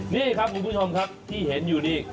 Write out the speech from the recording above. นี่ครับคุณผู้ชมครับที่เห็นอยู่นี่